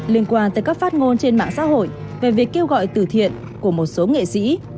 liên quan tới các phát ngôn trên mạng xã hội về việc kêu gọi tử thiện của một số nghệ sĩ